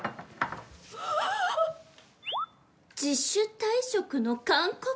「自主退職の勧告」！？